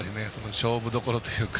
勝負どころというか。